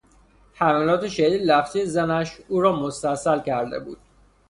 حملات شدید لفظی زنش او را مستاصل کرده بود.